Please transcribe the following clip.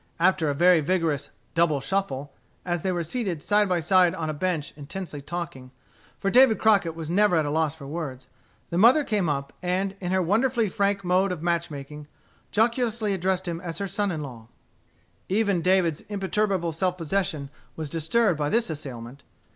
After a very vigorous "double shuffle," as they were seated side by side on a bench intensely talking, for David Crockett was never at a loss for words, the mother came up, and, in her wonderfully frank mode of match making, jocosely addressed him as her son in law. Even David's imperturbable self possession was disturbed by this assailment.